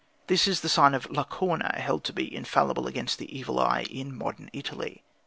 This is the sign of "le corna," held to be infallible against the Evil Eye in modern Italy.